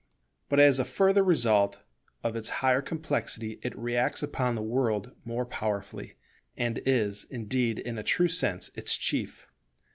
But as a further result of its higher complexity it reacts upon the world more powerfully; and is indeed in a true sense its chief.